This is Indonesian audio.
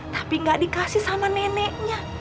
tapi gak dikasih sama neneknya